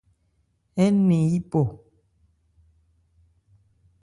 Ɛɛ́ nɛn yípɔ.